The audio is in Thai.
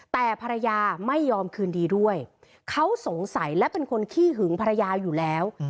แต่ภรรยาไม่ยอมคืนดีด้วยเขาสงสัยและเป็นคนขี้หึงภรรยาอยู่แล้ว